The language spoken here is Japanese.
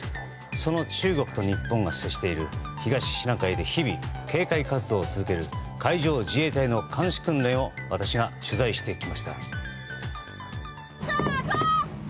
その中国と日本が接している東シナ海で日々、警戒活動を続ける海上自衛隊の監視訓練を私が取材してきました。